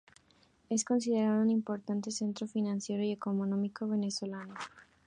Es considerada un importante centro financiero y económico venezolano.